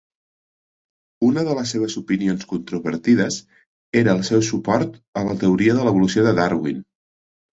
Una de les seves opinions controvertides era el seu suport a la teoria de l'evolució de Darwin.